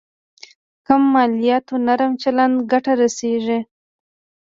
کم مالياتو نرم چلند ګټه رسېږي.